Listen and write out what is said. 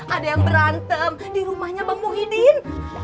ada yang berantem di rumahnya bang muhyiddin